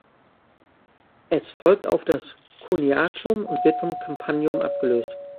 Es folgt auf das Coniacium und wird vom Campanium abgelöst.